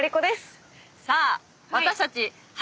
さあ私たち。